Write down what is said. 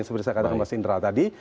seperti saya katakan mas indra tadi